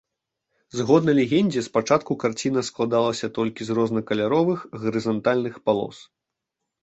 Згодна легендзе спачатку карціна складалася толькі з рознакаляровых гарызантальных палос.